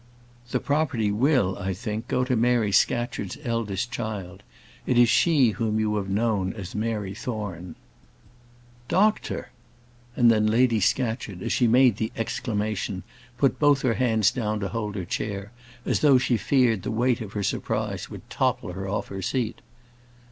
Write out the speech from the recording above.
"The property will, I think, go to Mary Scatcherd's eldest child. It is she whom you have known as Mary Thorne." "Doctor!" And then Lady Scatcherd, as she made the exclamation, put both her hands down to hold her chair, as though she feared the weight of her surprise would topple her off her seat.